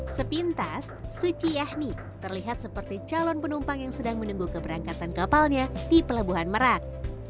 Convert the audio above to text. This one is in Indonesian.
sepintas suci yahni terlihat seperti calon penumpang yang sedang menunggu keberangkatan kapalnya di pelabuhan merak